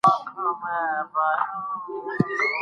ما پرون د خپلې کوټې کړکۍ خلاصه کړه.